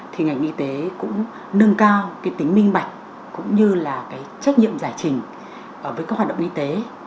thì ngành y tế cũng nâng cao cái tính minh bạch cũng như là cái trách nhiệm giải trình với các hoạt động y tế